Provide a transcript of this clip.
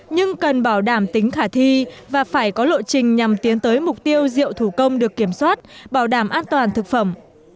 nhưng cần bảo đảm tính khả thi và phải có lộ trình nhằm tiến tới mục tiêu rượu thủ công được kiểm soát bảo đảm an toàn thực phẩm